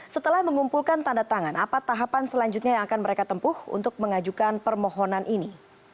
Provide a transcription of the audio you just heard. setelah mengumpulkan tanda tangan apa tahapan selanjutnya yang akan mereka tempuh untuk mengajukan permohonan ini